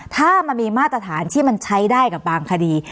ถ้ามันมีมาตรฐานที่มันใช้ได้กับบางคดี